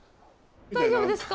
大丈夫ですか？